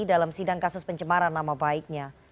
dalam sidang kasus pencemaran nama baiknya